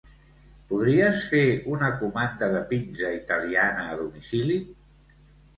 Podries fer una comanda de pizza italiana a domicili?